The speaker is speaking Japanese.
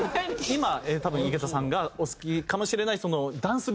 今多分井桁さんがお好きかもしれない。